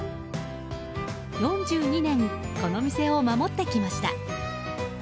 ４２年、この店を守ってきました。